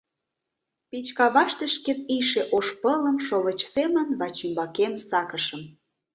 Пич каваште шкет ийше ош пылым шовыч семын вачӱмбакем сакышым.